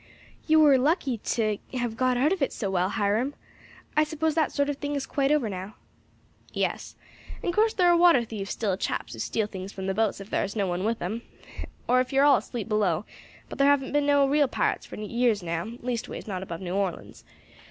"You were lucky to have got out of it so well, Hiram. I suppose that sort of thing is quite over now." "Yes. In course thar are water thieves still, chaps who steal things from the boats if thar is no one with 'em, or if you are all asleep below; but thar haven't been no real pirates for years now leastways not above New Orleans.